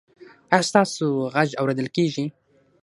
ایا ستاسو غږ اوریدل کیږي؟